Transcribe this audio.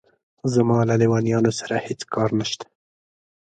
زما له لېونیانو سره هېڅ کار نشته.